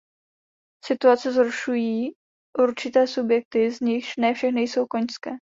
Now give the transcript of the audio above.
Situaci zhoršují určité subjekty, z nichž ne všechny jsou konžské.